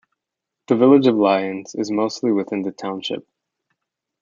The village of Lyons is mostly within the township.